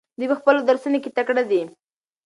دوی په خپلو درسونو کې تکړه دي.